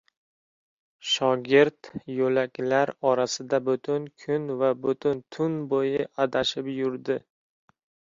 Shogird yoʻlaklar orasida butun kun va butun tun boʻyi adashib yurdi.